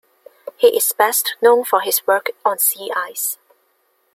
He is best known for his work on sea ice.